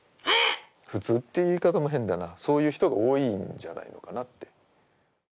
普通っていう言い方も変だな、そういう人が多いんじゃないのかなって。